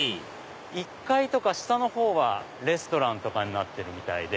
１階とか下のほうはレストランになってるみたいで。